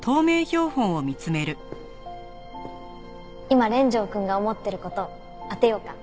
今連城くんが思ってる事当てようか。